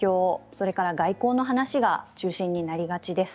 それから外交の話が中心になりがちです。